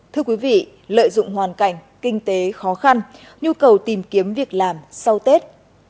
thưa quý vị lợi dụng hoàn cảnh kinh tế khó khăn nhu cầu tìm kiếm việc làm sau tết